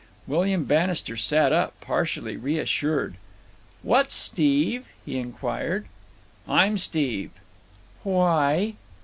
William Bannister sat up, partially reassured. "What's Steve?" he inquired. "I'm Steve." "Why?"